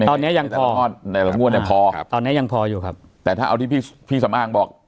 ตอนนี้ยังพอตอนนี้ยังพออยู่ครับแต่ถ้าเอาที่พี่สำอางบอก